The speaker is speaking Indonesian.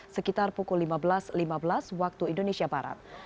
sekitar pukul lima belas lima belas waktu indonesia barat